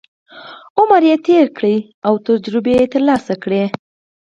عمر یې تېر کړی او تجربې یې ترلاسه کړي.